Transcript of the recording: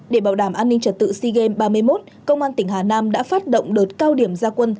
để bảo đảm an ninh trật tự sea games ba mươi một công an tỉnh hà nam đã phát động đợt cao điểm gia quân